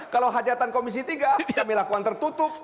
kalau hajatan komisi tiga kami lakukan tertutup